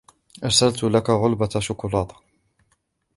أرسلت لك علبة شكولاطة.